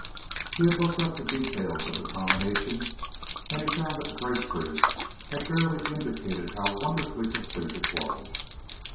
He had looked up the details of the combination, and he found that Bracebridge had barely indicated how wonderfully complete it was.